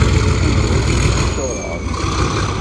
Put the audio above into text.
Anda ay ten-tcuṛɛemt?